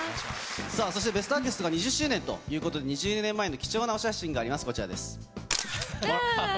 『ベストアーティスト』が２０周年ということで、２０年前の貴重なお写真があります。